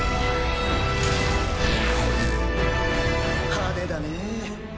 派手だねぇ。